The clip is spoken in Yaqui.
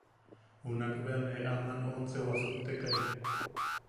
Junakbea ne aman once wasuktekai.